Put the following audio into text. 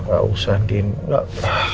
enggak usah ngerepotin al